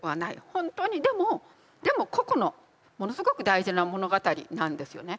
本当にでもでも個々のものすごく大事な物語なんですよね。